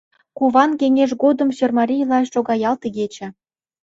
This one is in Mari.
Куван кеҥеж годым сӧрмарийла шога ялт игече.